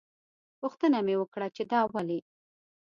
پوښتنه مې وکړه چې دا ولې.